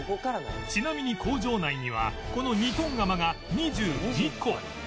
ちなみに工場内にはこの２トン釜が２２個